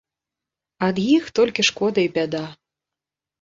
Ад іх толькі шкода і бяда.